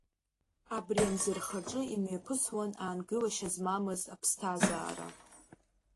Абри амӡырхаҿы имҩаԥысуан аангылашьа змамыз аԥсҭазаара.